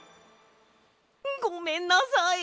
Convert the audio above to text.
ごめんなさい！